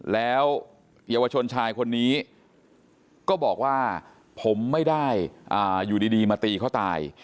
แล้วเยาวชนชายคนนี้ก็บอกว่าผมไม่ได้อยู่ดีมาตีเขาตาย